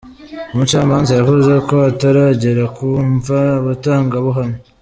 Umucamanza yavuze ko hataragera kumva abatangabuhamya.